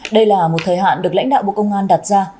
đây là một thời hạn được lãnh đạo bộ công an đặt ra